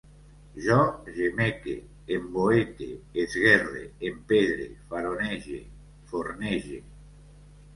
Jo gemeque, emboete, esguerre, empedre, faronege, fornege